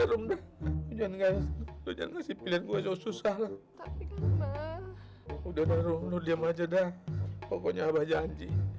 udah udah udah baru baru dia majadah pokoknya abah janji